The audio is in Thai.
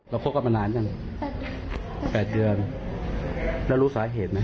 คบกันมานานยัง๘เดือนแล้วรู้สาเหตุไหม